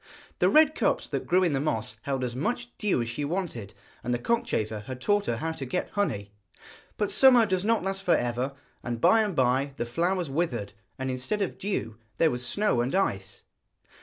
The red cups that grew in the moss held as much dew as she wanted, and the cockchafer had taught her how to get honey. But summer does not last for ever, and by and by the flowers withered, and instead of dew there was snow and ice.